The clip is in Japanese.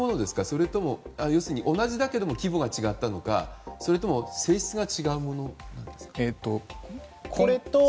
それとも同じだけれども規模が違っていたのかそれとも性質が違うものなんですか。